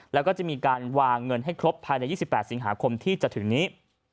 แล้วก็จะมีการวางเงินให้ครบภายใน๒๘สิงหาคมที่จะถึงนี้